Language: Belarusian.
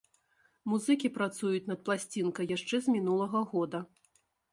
Музыкі працуюць над пласцінкай яшчэ з мінулага года.